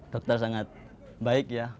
dokter sangat baik ya